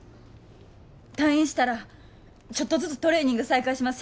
退院したらちょっとずつトレーニング再開します。